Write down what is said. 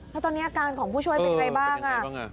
แล้วตอนนี้อาการของผู้ช่วยเป็นไงบ้าง